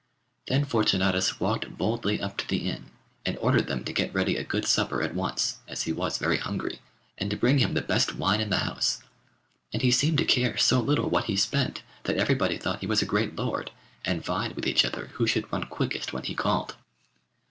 Then Fortunatus walked boldly up to the inn, and ordered them to get ready a good supper at once, as he was very hungry, and to bring him the best wine in the house. And he seemed to care so little what he spent that everybody thought he was a great lord, and vied with each other who should run quickest when he called.